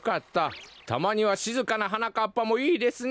たまにはしずかな「はなかっぱ」もいいですね！